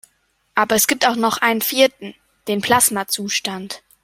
Aber es gibt auch noch einen vierten: Den Plasmazustand.